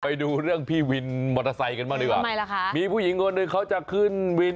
ไปดูเรื่องพี่วินมอเตอร์ไซค์กันบ้างดีกว่าทำไมล่ะคะมีผู้หญิงคนหนึ่งเขาจะขึ้นวิน